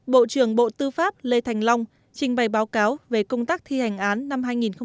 bộ trưởng bộ tư pháp lê thành long trình bày báo cáo về công tác thi hành án năm hai nghìn hai mươi